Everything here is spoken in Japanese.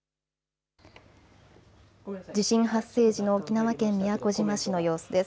地震発生時の沖縄県宮古島市の様子です。